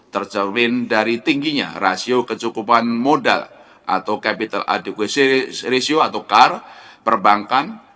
terjamin dari tingginya rasio kecukupan modal atau capital ratio atau car perbankan